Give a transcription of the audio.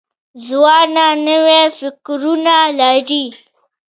ځوانان نوي فکرونه لري.